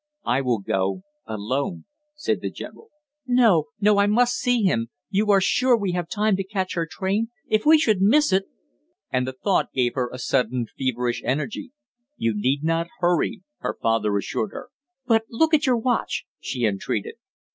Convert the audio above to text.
"I will go alone," said the general. "No, no I must see him! You are sure we have time to catch our train if we should miss it " and the thought gave her a sudden feverish energy. "You need not hurry," her father assured her. "But look at your watch!" she entreated.